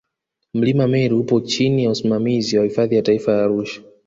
Mlima Meru upo chini ya usimamizi wa Hifadhi ya Taifa ya Arusha